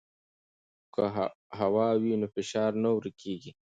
که هوا وي نو فشار نه ورکېږي.